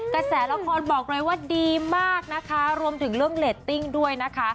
กระแสละครบอกเลยว่าดีมากนะคะรวมถึงเรื่องเรตติ้งด้วยนะคะ